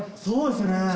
「そうですね」